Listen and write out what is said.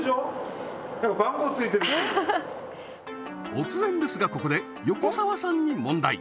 突然ですがここで横澤さんに問題！